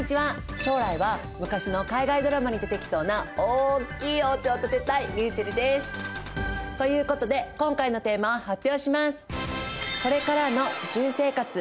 将来は昔の海外ドラマに出てきそうな大きいおうちを建てたいりゅうちぇるです！ということで今回のテーマを発表します！